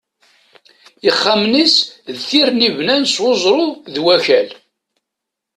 Ixxamen-is d tirni bnan s uẓru d wakal.